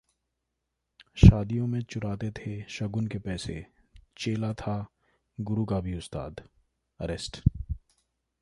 शादियों में चुराते थे शगुन के पैसे, चेला था गुरु का भी उस्ताद, अरेस्ट